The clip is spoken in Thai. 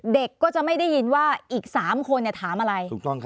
เด็กก็จะไม่ได้ยินว่าอีก๓คนถามอะไร